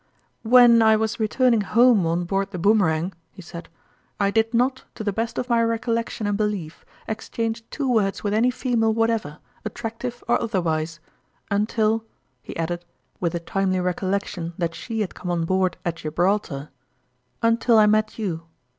" When I was returning home on board the Boomerang" he said, " I did not, to the best of fjeriobic Ill my recollection and belief, exchange two words with any female whatever, attractive or other wise until," he added, with a timely recollec tion that she had come on board at Gibraltar "until I met you.